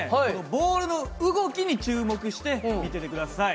ボールの動きに注目して見てて下さい。